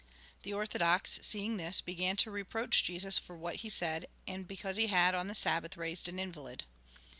The orthodox, seeing this, began to reproach Jesus for what he said, and because he had, on the Sabbath, raised an invalid.